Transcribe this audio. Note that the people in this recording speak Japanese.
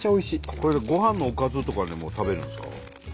これごはんのおかずとかでも食べるんですか？